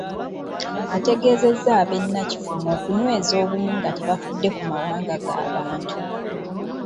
Ategeezezza ab’e Nakifuma okunyweza obumu nga tebafudde ku mawanga g’abantu.